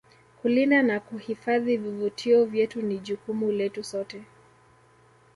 kulinda na kuhifadhi vivutio vyetu ni jukumu letu sote